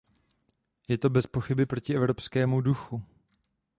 Je to bezpochyby proti evropskému duchu.